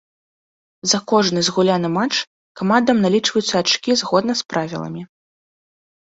За кожны згуляны матч камандам налічваюцца ачкі згодна з правіламі.